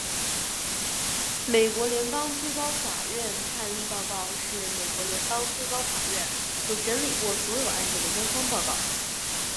美国联邦最高法院判例报告是美国联邦最高法院所审理过所有案件的官方报告。